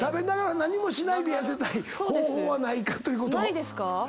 ないですか？